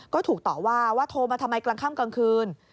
ก็ถูกต่อว่าว่าโทรมาทำไมกลางค่ำกลางคืน